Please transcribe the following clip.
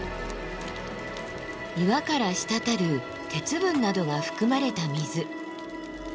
岩から滴る鉄分などが含まれた水。